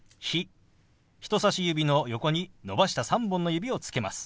人さし指の横に伸ばした３本の指をつけます。